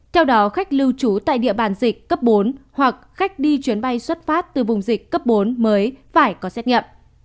theo đó khách lưu trú tại địa bàn dịch cấp bốn hoặc khách đi chuyến bay xuất phát từ vùng dịch cấp bốn mới phải có xét nghiệm